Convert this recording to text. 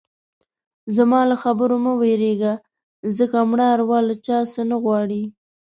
زما له خبرو نه مه وېرېږه ځکه مړه اروا له چا څه نه غواړي.